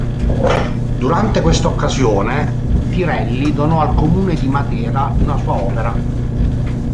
Durante questa occasione, Tirelli donò al comune di Matera una sua opera.